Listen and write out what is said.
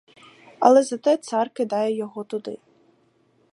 Але зате цар кидає його туди.